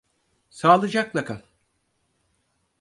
Sağlıcakla kal.